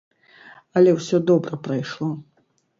Але ўсё добра прайшло.